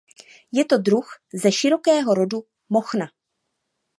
Je to druh ze širokého rodu mochna.